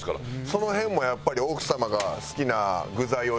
その辺もやっぱり奥様が好きな具材を選んで？